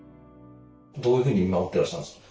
どういうふうに見守ってらっしゃるんですか？